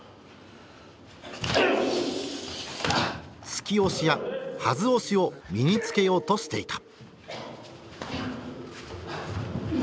「突き押し」や「はず押し」を身につけようとしていた。